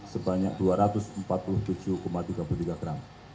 sebanyak dua ratus empat puluh tujuh tiga puluh tiga gram